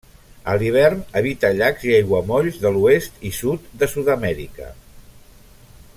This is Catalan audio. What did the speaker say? A l'hivern habita llacs i aiguamolls de l'oest i sud de Sud-amèrica.